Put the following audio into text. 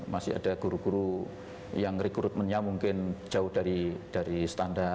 masih ada guru guru yang rekrutmennya mungkin jauh dari standar